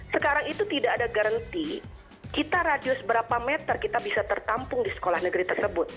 sekarang itu tidak ada garanti kita radius berapa meter kita bisa tertampung di sekolah negeri tersebut